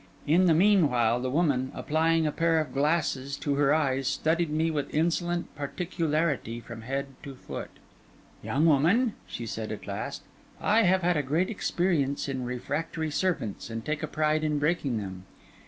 In the meanwhile the woman, applying a pair of glasses to her eyes, studied me with insolent particularity from head to foot. 'Young woman,' said she, at last, 'I have had a great experience in refractory servants, and take a pride in breaking them.